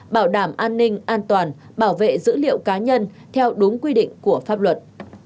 bảo đảm an ninh an toàn bảo vệ dữ liệu cá nhân theo đúng quy định của pháp luật